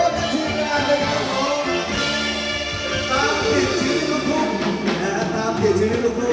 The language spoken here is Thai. แล้วต่างหาฝุ่นแล้วต่างหาฝุ่นที่มีลูกคู่